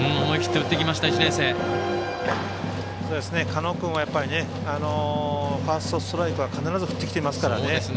加納君はファーストストライクは必ず振ってきていますからね。